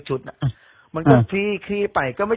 ใช่ใช่ค่ะใช่